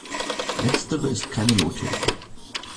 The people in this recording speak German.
Letztere ist keine Nothilfe.